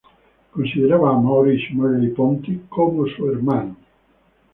Consideraba a Maurice Merleau-Ponty "como su hermano".